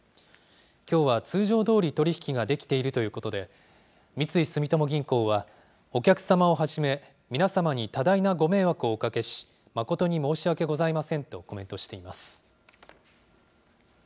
きょうは通常どおり取り引きができているということで、三井住友銀行は、お客様をはじめ、皆様に多大なご迷惑をおかけし、誠に申し訳ございませんとコメントしています。